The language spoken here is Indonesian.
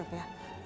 yuk kita ke kamar